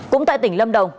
cũng tại tỉnh lâm đồng